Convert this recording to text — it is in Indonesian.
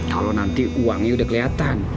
kalo nanti uangnya udah keliatan